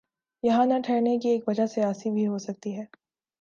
یہاں نہ ٹھہرنے کی ایک وجہ سیاسی بھی ہو سکتی ہے۔